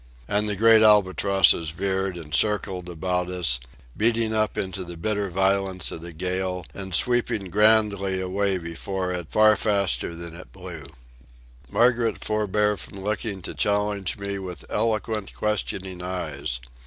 And the great albatrosses veered and circled about us, beating up into the bitter violence of the gale and sweeping grandly away before it far faster than it blew. Margaret forbore from looking to challenge me with eloquent, questioning eyes.